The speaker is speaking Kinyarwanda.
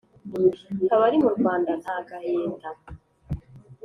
Abari mu Rwanda nta gahinda